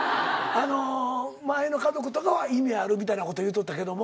前の家族とかは意味あるみたいなこと言うとったけども。